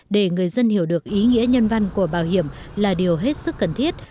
để người dân hiểu được ý nghĩa nhân văn của bảo hiểm là điều hết sức cần thiết